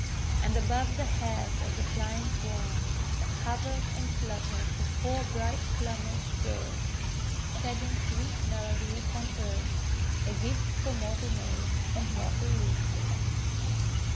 And above the heads of the flying Swans hovered and fluttered the four bright plumaged birds shedding sweet melody upon earth — a gift for mortal maids and mortal youths.